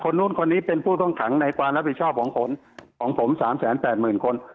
นู้นคนนี้เป็นผู้ต้องขังในความรับผิดชอบของผม๓๘๐๐๐คน